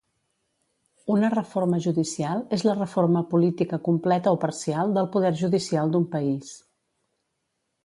Una reforma judicial és la reforma política completa o parcial del poder judicial d'un país.